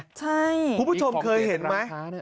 ใช่มีของเกลียดราคาเนี่ยคุณผู้ชมเคยเห็นไหม